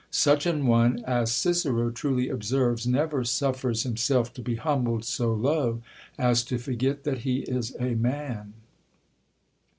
Such an one, as Cicero truly observes, never suffers j himself to be humbled so low, as to forget that he is a man.